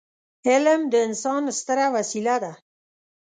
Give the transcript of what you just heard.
علم د انسان ستره وسيله ده.